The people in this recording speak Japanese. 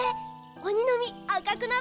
おにのみあかくなったよ。